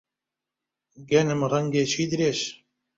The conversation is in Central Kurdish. گەنم ڕەنگێکی درێژ